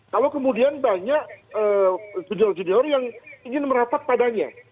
kalau kemudian banyak junior junior yang ingin merapat padanya